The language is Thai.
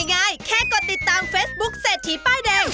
ง่ายแค่กดติดตามเฟซบุ๊คเศรษฐีป้ายแดง